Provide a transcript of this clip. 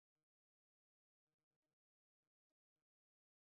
撮泰吉主要流传于贵州省威宁县板底乡以裸戛村寨为中心的彝族山寨。